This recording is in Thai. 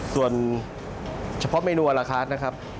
ส่วนเฉพาะเมนูอราคาร์ทนะครับ